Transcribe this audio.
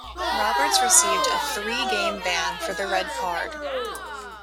Roberts received a three-game ban for the red card.